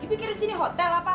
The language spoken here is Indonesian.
dipikir disini hotel apa